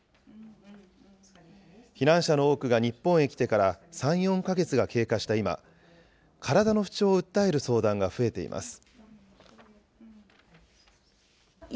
避難者の多くが日本へ来てから、３、４か月が経過した今、体の不調を訴える相談が増えています。